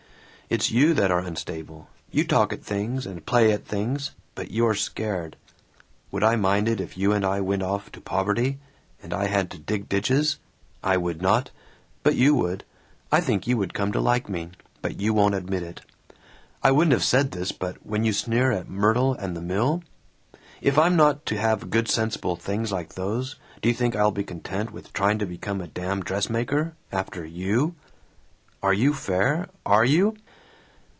"It's you that are unstable! You talk at things and play at things, but you're scared. Would I mind it if you and I went off to poverty, and I had to dig ditches? I would not! But you would. I think you would come to like me, but you won't admit it. I wouldn't have said this, but when you sneer at Myrtle and the mill If I'm not to have good sensible things like those, d' you think I'll be content with trying to become a damn dressmaker, after YOU? Are you fair? Are you?"